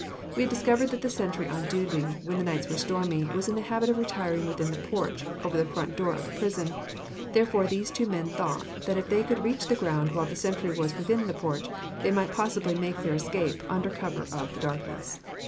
We had discovered that the sentry on duty when the nights were stormy, was in the habit of retiring within the porch over the front door of the prison; therefore these two men thought if they could reach the ground while the sentry was within the porch, they might possibly make their escape under cover of the darkness.